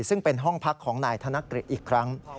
ซึ่งเป็นห้องพักของนายธนกฤษอีกครั้ง